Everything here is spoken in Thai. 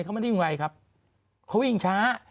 เขาวิ่งช้า